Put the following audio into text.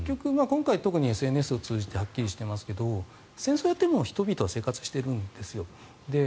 今回特にＳＮＳを通じてはっきりしてますが戦争をやっても人々は生活しているんです。